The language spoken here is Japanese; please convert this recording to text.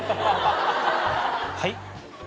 はい？